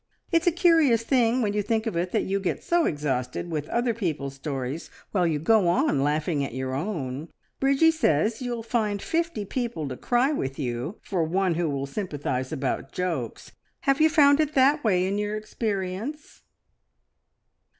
It's a curious thing, when you think of it, that you get so exhausted with other people's stories, while you go on laughing at your own. Bridgie says you'll find fifty people to cry with you, for one who will sympathise about jokes. Have you found it that way in your experience?"